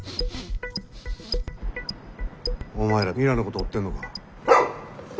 お前らミラのこと追ってんのか？